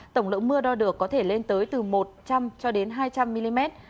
tổng lượng mưa đo được có thể lên tới từ một trăm linh cho đến hai trăm linh mm